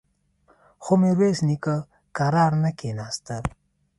خو ميرويس نيکه کرار نه کېناسته.